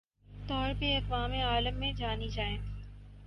طور پہ اقوام عالم میں جانی جائیں